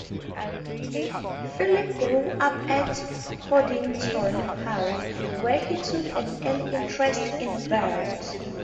Philip grew up at Hoddington House where he took an early interest in birds.